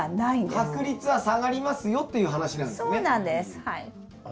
確率は下がりますよっていう話なんですね。